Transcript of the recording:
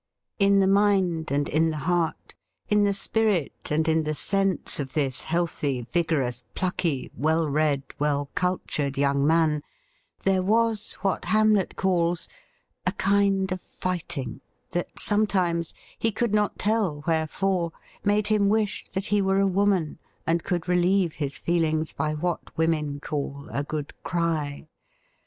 In the mind and in the heart, in the spirit and in the sense of this healthy, vigorous, plucky, well read, well cultured young man, there was what Hamlet calls ' a kind of fight ing,' that sometimes, he could not tell wherefore, made him wish that he were a woman and could relieve his feel ings by what women, c,all_' a good cry.'